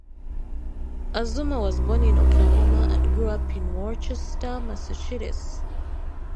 Azumah was born in Oklahoma and grew up in Worcester, Massachusetts.